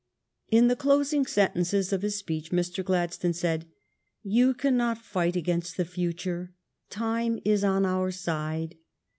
In the closing sentences of his speech Mr. Gladstone said :" You cannot fight against the future. Time is on our side.